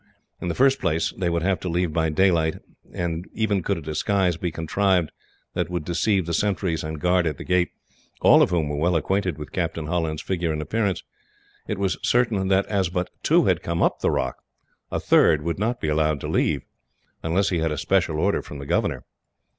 In the first place, they would have to leave by daylight; and even could a disguise be contrived that would deceive the sentries and guard at the gate, all of whom were well acquainted with Captain Holland's figure and appearance, it was certain that, as but two had come up the rock, a third would not be allowed to leave, unless he had a special order from the governor.